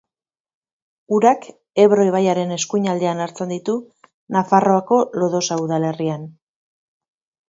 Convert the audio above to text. Urak Ebro ibaiaren eskuinaldean hartzen ditu Nafarroako Lodosa udalerrian.